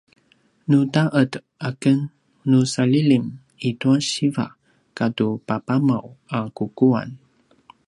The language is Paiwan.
nu ta’ed aken nu salilim i tua siva katu papamaw a kukuan